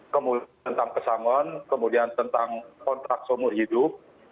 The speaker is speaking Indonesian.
kemudian tentang pesangon kemudian tentang kontrak seumur hidup